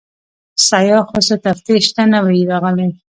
سیاح خو څه تفتیش ته نه وي راغلی.